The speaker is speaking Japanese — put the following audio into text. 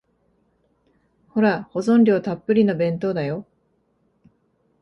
ほら、保存料たっぷりの弁当だよ。